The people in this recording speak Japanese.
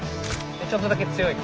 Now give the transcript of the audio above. ちょっとだけ強い顔。